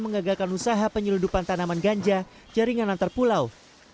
mengagalkan usaha penyelundupan tanaman ganja jaringan antar pulau